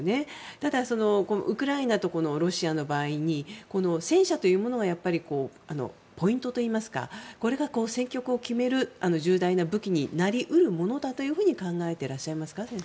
ただ、ウクライナとロシアの場合に戦車というものはポイントといいますかこれが戦局を決める重大な武器になり得るものだと先生は考えていらっしゃいますか？